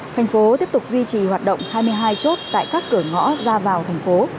thành phố tiếp tục duy trì hoạt động hai mươi hai chốt tại các cửa ngõ ra vào thành phố